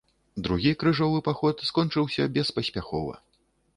Другі крыжовы паход скончыўся беспаспяхова.